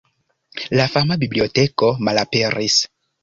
La fama biblioteko malaperis.